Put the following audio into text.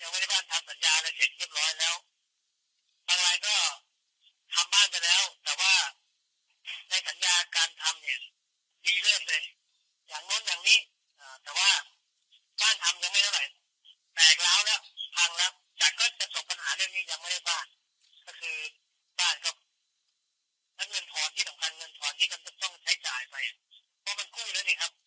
ไม่ได้บ้านทำสัญญาอะไรเสร็จเรียบร้อยแล้วบางรายก็ทำบ้านไปแล้วแต่ว่าในสัญญาการทำเนี่ยมีเรื่องเลยอย่างโน้นอย่างนี้แต่ว่าบ้านทำยังไม่เท่าไหร่แตกแล้วพังแล้วจากก็ประสบปัญหาเรื่องนี้ยังไม่ได้บ้านก็คือบ้านก็แล้วเงินทอนที่สำคัญเงินทอนที่ก็ต้องใช้จ่ายไปเพราะมันกู้แล้วนี่ครับ